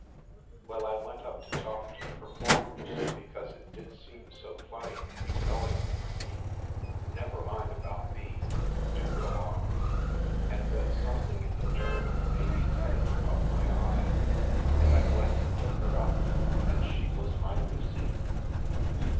" Well, I went up to talk to the performers, because it did seem so funny, your knowing them, I mean " The Milky Way " Never mind about me. Do go on/ 9 " And then something in the turn of the baby's head caught my eye, and I went and took her up, and she was my Lucy."